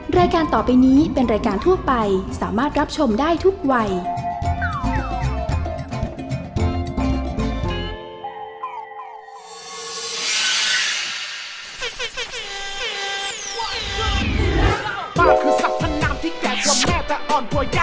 รายการต่อไปนี้เป็นรายการทั่วไปสามารถรับชมได้ทุกวัย